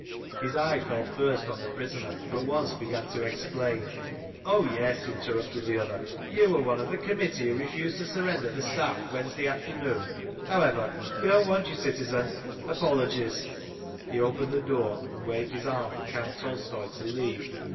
His eye fell first on the prisoner, who at once began to explain. "Oh, yes," interrupted the other. "You were one of the committee who refused to surrender the Staff Wednesday afternoon. However, we don't want you, citizen. Apologies—" He opened the door and waved his arm for Count Tolstoy to leave.